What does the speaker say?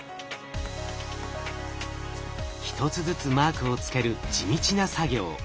一つずつマークをつける地道な作業。